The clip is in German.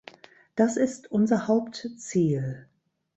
Das ist unser Hauptziel.